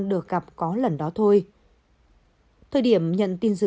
được gặp có lần đó thôi thời điểm nhận tin